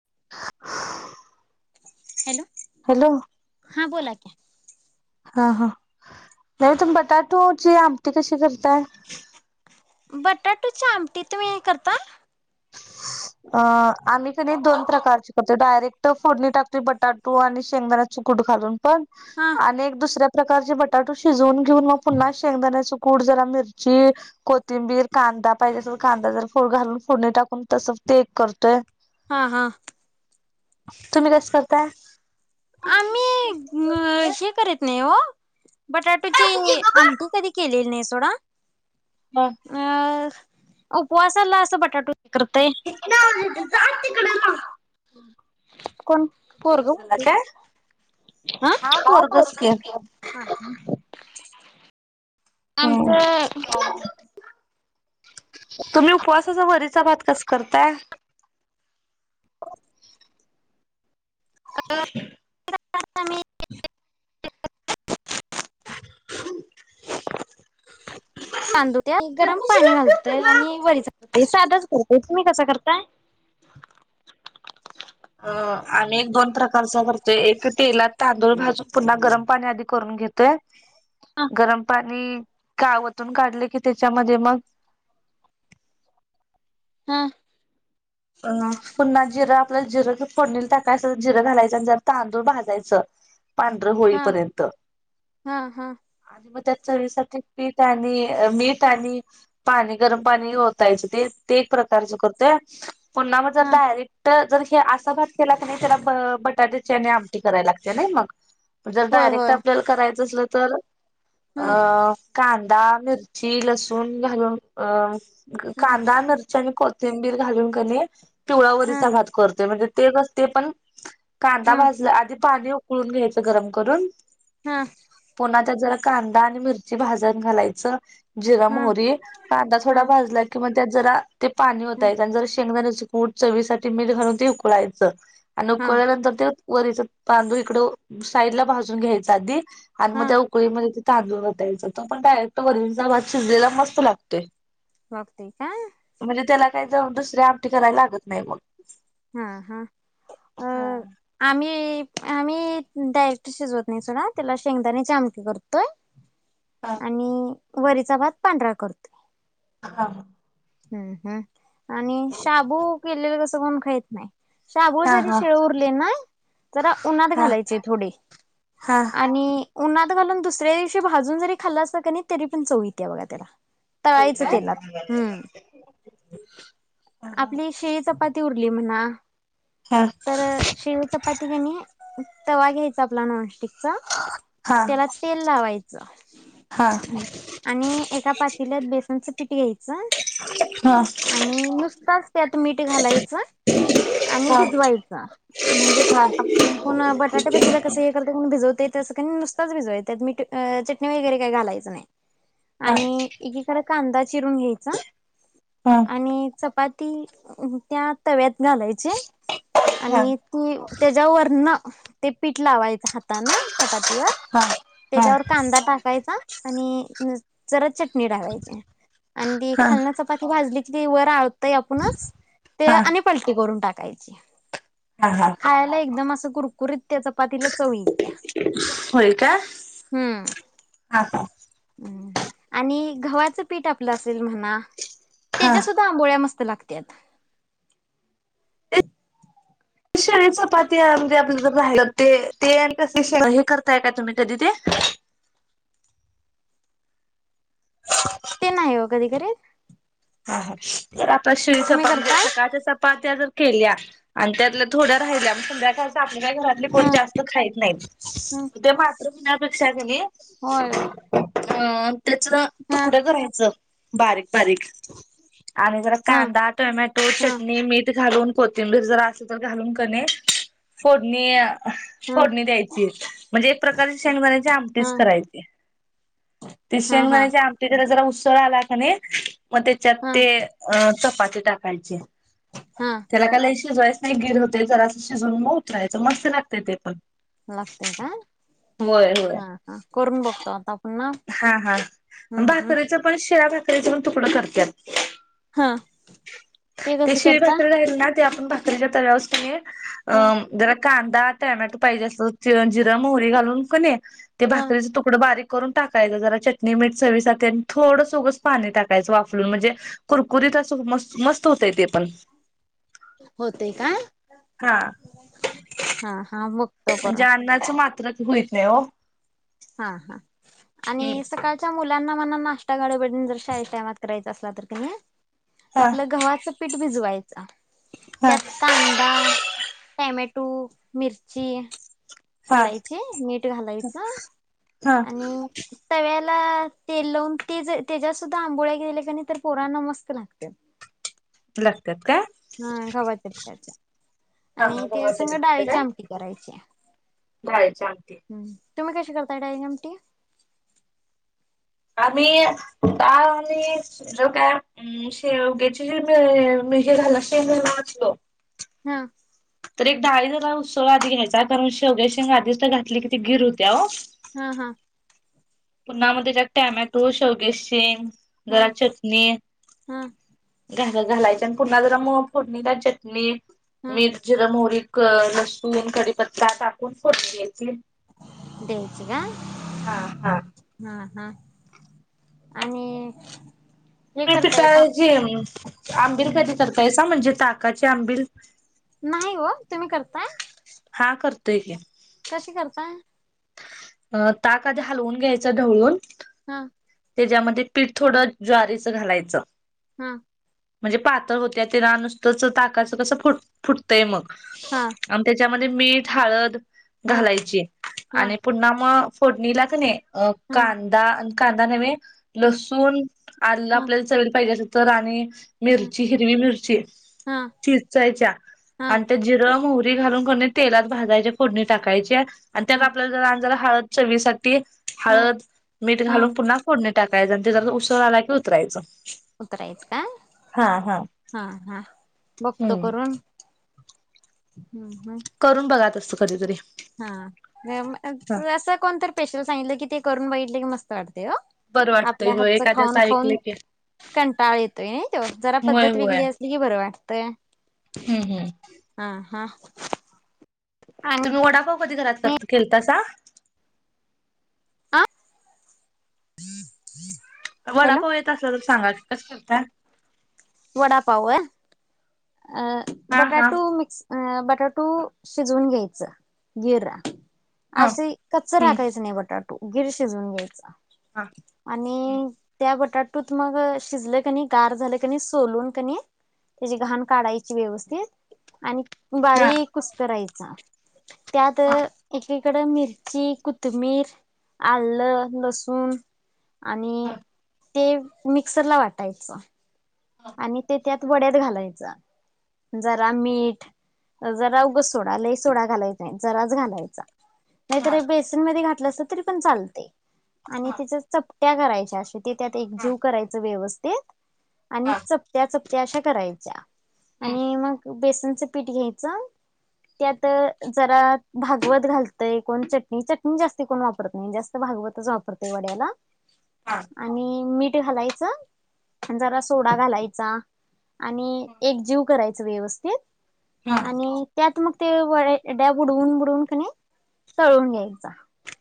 [inaudible] Hello hello हां बोला की. हा हा नाही तुम बटाटोची आमटी कशी करताय? बटाटोची आमटी तुम्ही हे करता? अ आम्ही कनी दोन प्रकारचे करतो डायरेक तर फोडणी टाकते, बटाटू आणि शेंगदाण्याच कूट घालून. पण हा अनेक दुसरं प्रकारचे बटाटू शिजवून. फोडणी टाकून तस ते एक करतोय. हा.. हा.. तुम्ही कस करताय. आम्ही, हे करत नाही हो. बटाटुची आमटी कधी केले ने सोडा, अ... उपवासाला असं बटाटू, करतय [unintelligible] कोण पोरगं काय होतंय. हा पोरगच की हम्म आमचं. [inaudible] [inaudible] [inaudible] [unintelligible] तांदूळ त्यात, गरम पाणी घालतोय आणि वरीचा भात साध चं घालतोयं. तुम्ही कसा करताय, अ आम्ही दोन प्रकारच करतोय. एक तेलात तांदूळ भाजून पुन्हा गरम पाणी आधी करून घेतोय. हा गरम पाणी. आणि कावातून काढले की, त्याच्यामध्ये मग [unintelligible] अं.. पुन्हा जिरं आपल्याला जिरं फोडणीला टाकयचं. जिर घालायचं आणि जरा तांदूळ भाजायचं. पांढर हा होईपर्यंत हा हा आणि मग त्यात, चवी साठी पीठ, आणि मीठ आणि पाणी. गरम पाणी ओतायचे ते ते एक प्रकारचं करतोय. [inaudible] पुन्हा मग जर हा डायरेक्ट जर हे आस असा भात केला कनी, त्याला ब.. बटाटे ते आणि आमटी करायला लागते नाही मग, जर होय होय डायरेक्ट आपल्याला करायचं असलं तर अ हा कांदा मिरची लसूण घालून अ हा कांदा न आणि कोथंबीर घालून कणी पिवळा हा वरीचा भात करते म्हणजे ते नसते पण कांदा हा भाजला आधी पाणी गुळ घ्यायचं गरम करून हा पुण्याच्या जरा कांदा आणि मिरची भाजण घालायचं. जिरा हा मोहरी कांदा थोडा भाजला कि म त्यात जरा ते पाणी ओत. हा त्यात जरा शेंगदाण्याच कूट, चवीसाठी मीठ घालून ते उकळायचं. आणि हा उकळल्यानंतर ते वरीच तांदूळ इकड साईडला भाजून घ्यायच आधी. आणि मग हा त्या उकळीमध्ये ते तांदुळ ओयायच होत, पण डायरेक्ट वरीचा भात शिजलेला मस्त लागतोय. वाफ दे काय? काय जाऊन दुसरी आमटी करायला लागत नाही मग. हा हा अ हा आम्ही आम्ही डायरेक्ट शिजवत नाही त्याला, त्याला शेंगदाण्याची आमटी करतोय. हा आणि वरीचा भात पांढरा करतो. हा. हम्म हम्. आणि शाबू केलेले कस कोण खईत नाही. शाबु हा जरी हा शिळे उरले ना, जरा उन्हात हा घालायचे थोडे हा हा आणि उन्हात घालून दुसऱ्या दिवशी भाजून जरी खाल्लं असतं कणी तरी पण चव येतीया बघा त्याला. तळायचं हा तेलात हम्म. आपली शिळी चपाती उरली म्हणा हा तर शेव चपाती कणी तवा घ्यायचा आपला नॉनस्टिक चा त्याला तेल हा लावायचं आणि एका पातील्यात बेसनचं पीठ घ्यायचं आणि नुसताच त्यात मीठ घालायचं, आणि हा भिजवायचं, म्हणजे हा आपुनं बटाटे भजीला कस हे करतोय कणी भिजवतोय तसं कणी नुसताच भिजवायच त्यात मीठ चटणी वगैरे काही घालायचं नाय. हा आणि एकीकडे कांदा चिरून घ्यायचा हा आणि चपाती त्या तव्यात घालायची हा आणि ती त्याज्या वरन ते पीठ लावायचं हातान चपात वर हा हा त्याच्यावर कांदा टाकायचा आणि जरा चट टणी टाकायची आणि ती हा खालन चप भाजली की ती वर आ ते आपुणच ते हा आणि पलटी करून टाक कायची. हा हा खायाला एकदम असं कुरकुरीत त्या चपातीला चवी येतिया होय का हा हूं हा हम् आणि गव्हाचं पीठ आपलं असेल म्हणा हा त्याच्या सुद्धा आंबोळ्या मस् लागत्यात. शिळी चपात्या म्हणजे आपल्या राहिलं ते ते आणि तस हे करताय का तुम्ही कधी ते? ते नाही हो कधी करीत हा हा जरा प शिळी तुम्ही चपाती म्हणजे करताय सकाळच्या चपात्या जर केल्या आणि त्यातल्या थोड्या राहिल्या म संध्याकाळच्या का घरातली ह कोणी जास्त खाईत नाहीत ह ते मात्र पेक्षा कनी होय. [inaudible] त्याच ह तुकडं करायचं बारीक बारीक आणि जरा ह कांदा, टोमॅटो, ह चटणी, मीठ घालून कोथिंबीर जर असेल तर घालून कणी फोडणी ह फोडणी द्यायची म्हणजे एक प्रकारची शेंगदाण्याची ह आमटीच करायची ती हा हा शेंगदाण्याच्या आमटी कडे जरा [inaudible] [unintelligible] हा चपाती टाकायची हा त्याला काय शीजवायच नाही. गिर होते तर असं शिजून म उतरायचं मस्त लागते ते पण लागतय का होय होय हा हा करून बघतो आतापण हा हा भाकरीच पण शीळ्या भाक तेज तुकडं करतात हा ते [inaudible] कसं करता भाकरीच्या तवावरच कनी ह अम जरा कांदा, टॅमॅटो पाहिजे अस जिरं, मोहरी घालून कनी, ते हा भाकरीचा तुकडा बारीक करून., टाकायच जरा चटणी मीठ चवी साठी आणि थोडं ऊगच पाणी टाकायचं वाफलुन म्हणजे कुरकुरीत असं मस्त होतय ते पण होतय का हा हा हा मगं- म्हणजे अन्नाच मात्र होइथ नाही हो, हा हा आणि सकाळच्या मु [unintelligible] [inaudible] [unintelligible] हा आपलं गव्हाचं पीठ भिजवायचं हा त्यात कांदा, टॉम्याटो, ढबु मिरची, हा घालायची मीठ घालायचं हा आणि--, तेल लावून त्याच्या सुद्धा आंबोळ्या गेल्या का नाही तर पोरांना मस्त लागतात [unintelligible] हा घव्हाच्या पीठाचे हा आणि, त्या गव्हाच्या सघं पिठाच्या डाळीची काय आमटी करायची डाळीची आमटी, तुम्ही कशी करताय डाळीची आमटी? आम्ही का आमी जर काय शेवगेची शेंग ज मी घालाणार असलो हा तर एक डाळी ज उत्सव आधी घ्यायचा कारण शेवग्या शेंग आीच तर घातली की ती गीर होत्या हो. हम हा पुन्हा म त्यात टॅमॅटो, शेवग्याची शेंग जरा हा चटणी हम्म घ घालायचे आणि पुन्हा जरा म फोडणी त्या चटणी हम्म मीठ, जीरं- मोहरी क लसूण कडीपत्ता टाकून फोडणी द्यायची. द्यायची का? हा हा हा हा आणि हे त तिता करतायसा जे आंबिल कदी करतायस म्हणजे? ताकाची आंबिल नाही हो, तुम्ही करताय? हा करतोय की कशी करता? अ ताक आधी हलवून घ्यायच ढवळून हा त्याच्यामध्ये पीठ थोडं ज्वारीचं घालायचं हम म्हणजे पातळ होत्या ते रा नुसतच ताकाचं कसं, फुट फुटतंय मग हा आ म त्याच्यामध्ये मीठ, हळद हा घालायची हा आणि पुन्हा मग फोटणी ला कणी अ हा कांदा, कांदा नव्हे ह लसूण, आलं ह आपल्याला चवीला पाहिजे अस तर आणि मिरची, हिरवी मिरची हा चेचायच्या हा आणि त्या जिर - मोहरी घालून कर तेलात भाजायच्या, फोडणी टाकायची. आणि हा त्यात आपल्या जर जरा हळद चवीसा डी हा हळद, मीठ हा घालून पुन्हा फोडणी टाकायचं आणि तेज उसळ आला की उतरायचं. उतरायचं का हा हा. हा हा बघतो हम्म करून. हम्म हम्म करून बघा अस कधीतरी हा हा. अस कोणत स्पेशल सांगितलं की ते करून बघितलं की मस्त बरं वाटतंय आपल्या होय हातच एखाद्याच खाऊन ऐकलं खाऊन की कंटाळ येतोय नाही तो जरा होय पद्धत होय. वेगळी असली कि बर वाटतय हम्म हम्म. हा हा आणि तुम्ही वडापाव कधी घरात केलात आ वडापाव येत असला तर सांगा की कस करता वडा पाव आहे हा हा बटाटो मिक्स अ बटाटू शिजवून घ्यायचं गिर ह असे कच्च हम्म राकायचं नाही बटाटा गीर शिजवून घ्यायचा हा हम्म आणि त्या बटाटा ते मग शिजलं कणी गार झालं कणी ते सोलून घ्यायच काढायची व्यवस्थित आणि हा बारीक कुस करायचा त्यात हा एकीकड मिरची कु कोथमीर आलं लसूण आणि आणि ते मिक्सर ला वाटायचं आणि ते त्यात वड्यात घालायचा जरा मीठ जरा उगं सोडा लई सोडा घालायचा नाही जराच घालायचा नाही हा तरर बेसनमध्ये घा तरी पण चालते आणि त्याच्या चप चपट्या करायच्या. असे ते त्यात एकजीव करायच. वेवस्ती ते? आणि हा चपट्या चपट्या ते अशा करायच्या. हम्म आनी.. मग बेस चनच पीठ घ्यायचं. त्यात जरा, भागवत घालतंय, कोन चटनी, चटनी जास्त कोन वापरत नाय. जास्त भागवतच वापरतय वड्याला. हा आनी. मीठ. ते हलायचं आनी जरासं सोडा घालायचा. आणि एक जीव कराय चं व्यवस्थित. हा आणि. त्यात मग. तीळ वं ड्या बुडवून, बुडवून किनाय तळून घ्यायचा.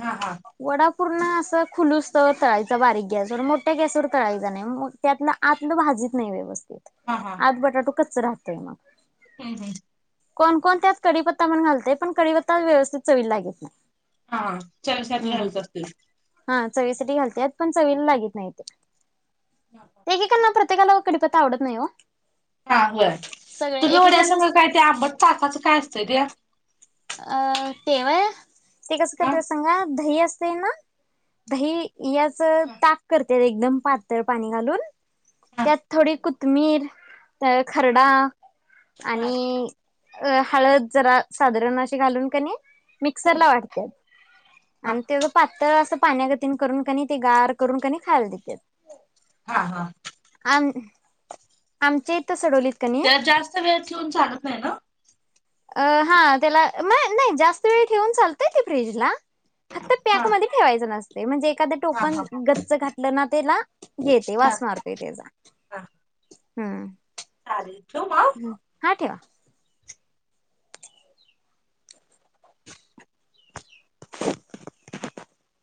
हा, हा. वडा पूर्ण असं खुलूस्तवर तळायचं, बारीक गॅसवर. मोठ्ठ्या गॅसवर तळायचं नाही. मग त्यात न आतलं भाजत नाही व्यवस्थित. आत बटाटू कच ्च राहतंय मग. हं. हं. कोनकोन त्यात कडीपत्ता पन घालतंय. पन कडीपत्ता व्यवस्थित चवीला लागत नाय. हा. [inaudible] हा, चावीसाठी घालत्यात पण चवीला लगीत न्हाई त्या. [unintelligible] त्येकाला कडीपत्ता आवडत नाई ओ. हा, होय. सगळे एक एक जण [unintelligible] आंबट चकायचं काय? चं, त्या. अं. ते व्हय. ते कसं हा करते सांगा. धही असं. से ना. दही, याच हा ताक करत्यात एकदम पातळ पानी घालून, हा त्यात थोडी कोथमीर, तं खरडा. हा आनी अ हळद, जरा साधारण अस चे, घालून कां नाई, ते. मिक्सरला वाटत्यात. हा आणि तेवढं पाच तर असं पाण्यागतीन करून की नही ते गार करून की नहीं खायला देत्यात. हा हा. आन आमच्या इथ सडवलीत. कणी त्याला जास्त वेळ ठेऊन चालत नाही ना? अ हा त्याला मग नाही जास्त वेळ ठेवून चालतय ते फ्रीजला. फक्त हा पॅकमध्ये ठेवायचं नसतं. ते म्हणजे एखाद हा टोपण हा गच्च घातलं ना त्याला, येते हा वास मारतोय त्याचा. हा. हम्. [unintelligible] हं, हा ठेवा. [inaudible]